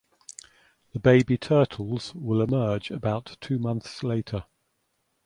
The baby turtles will emerge about two months later.